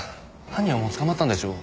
犯人はもう捕まったんでしょう？